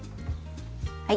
はい。